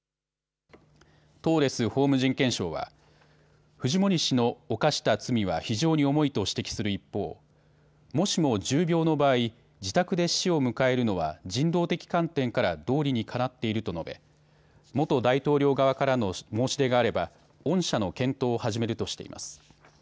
トーレス法務人権相はフジモリ氏の犯した罪は非常に重いと指摘する一方、もしも重病の場合、自宅で死を迎えるのは人道的観点から道理にかなっていると述べ、元大統領側からの申し出があれば恩赦の検討を始めるとしています。